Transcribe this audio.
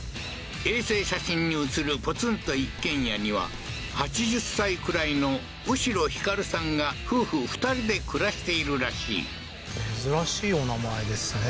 衛星写真に写るポツンと一軒家には８０歳くらいのウシロヒカルさんが夫婦２人で暮らしているらしい珍しいお名前ですね